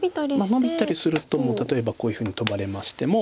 ノビたりすると例えばこういうふうにトバれましても。